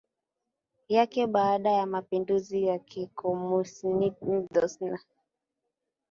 yake baada ya mapinduzi ya kikomunisti Sankt